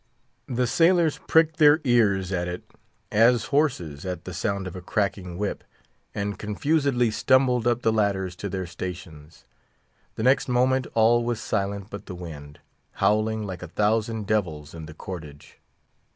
The sailors pricked their ears at it, as horses at the sound of a cracking whip, and confusedly stumbled up the ladders to their stations. The next moment all was silent but the wind, howling like a thousand devils in the cordage.